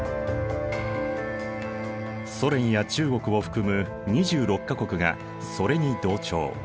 ソ連や中国を含む２６か国がそれに同調。